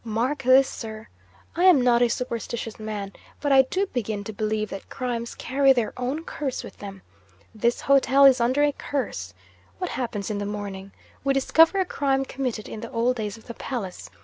'Mark this, sir! I am not a superstitious man; but I do begin to believe that crimes carry their own curse with them. This hotel is under a curse. What happens in the morning? We discover a crime committed in the old days of the palace.